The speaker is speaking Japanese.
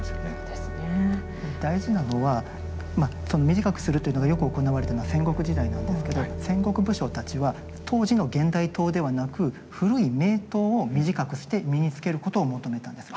大事なのはまあその短くするというのがよく行われたのは戦国時代なんですけど戦国武将たちは当時の現代刀ではなく古い名刀を短くして身に着けることを求めたんです。